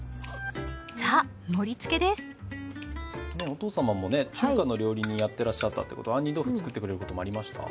お父様もね中華の料理人やってらっしゃったってことは杏仁豆腐作ってくれることもありました？